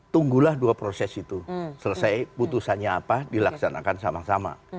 tunggulah dua proses itu selesai putusannya apa dilaksanakan sama sama